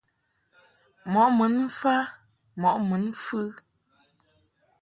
Mɔʼ mun mfa mɔʼ mun mfɨ.